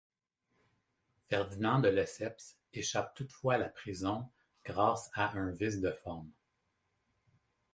Ferdinand de Lesseps échappe toutefois à la prison grâce à un vice de forme.